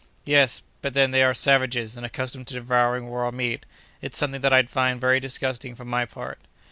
"Yes; but then they are savages, and accustomed to devouring raw meat; it's something that I'd find very disgusting, for my part."